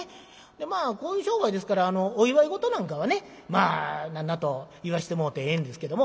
でまあこういう商売ですからお祝い事なんかはねまあなんなと言わしてもうてええんですけども。